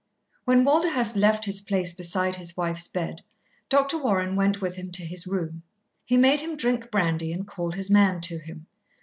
When Walderhurst left his place beside his wife's bed, Dr. Warren went with him to his room. He made him drink brandy and called his man to him.